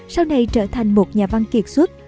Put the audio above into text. sau này trở thành một nhà văn kiệt